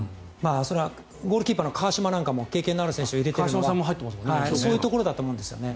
ゴールキーパーの川島なんかも経験のある選手を入れてますからそういうところだと思いますね。